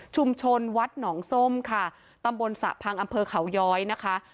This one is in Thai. วัดหนองส้มค่ะตำบลสระพังอำเภอเขาย้อยนะคะ